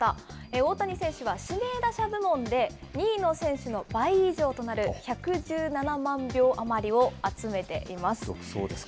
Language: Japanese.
大谷選手は指名打者部門で２位の選手の倍以上となる１１７満票余りを集めています。